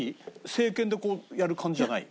正拳でこうやる感じじゃない？